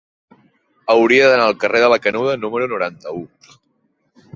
Hauria d'anar al carrer de la Canuda número noranta-u.